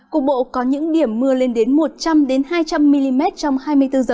cục bộ có những điểm mưa lên đến một trăm linh hai trăm linh mm trong hai mươi bốn h